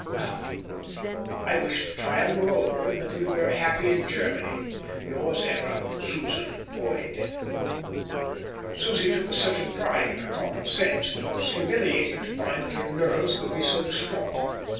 Oh, I wish the trial were over, and that we were happy in Germany. Yours ever SUSAN BOYD Susie took a certain pride in her common sense, and it was humiliating to find that her nerves could be so distraught.